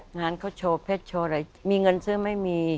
งานเขาโชว์เพชรโชว์อะไรมีเงินซื้อไม่มี